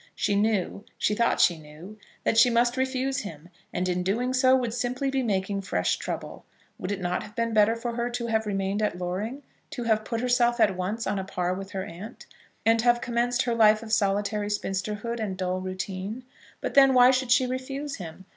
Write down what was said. She knew, she thought she knew, that she must refuse him, and in doing so would simply be making fresh trouble. Would it not have been better for her to have remained at Loring, to have put herself at once on a par with her aunt, and have commenced her life of solitary spinsterhood and dull routine? But, then, why should she refuse him?